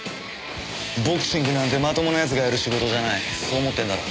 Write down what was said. ボクシングなんてまともな奴がやる仕事じゃないそう思ってんだろ。